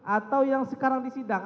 atau yang sekarang disidang